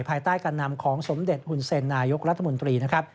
ภายใต้การนำของสมเด็จหุ่นเซ็นนายกรัฐมนตรีนะครับ